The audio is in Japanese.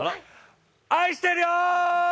愛してるよ